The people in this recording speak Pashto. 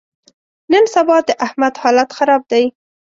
نن سبا د احمد حالت خراب دی.